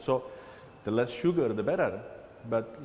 jadi lebih kurang kefir lebih baik